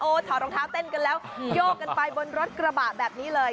ถอดรองเท้าเต้นกันแล้วโยกกันไปบนรถกระบะแบบนี้เลย